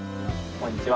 こんにちは。